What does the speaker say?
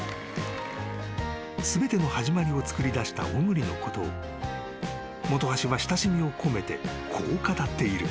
［全ての始まりを作り出した小栗のことを本橋は親しみを込めてこう語っている］